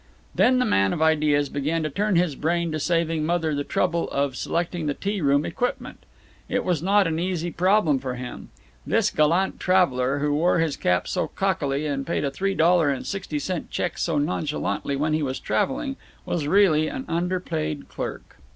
Then the man of ideas began to turn his brain to saving Mother the trouble of selecting the tea room equipment. It was not an easy problem for him. This gallant traveler, who wore his cap so cockily and paid a three dollar and sixty cent check so nonchalantly when he was traveling, was really an underpaid clerk.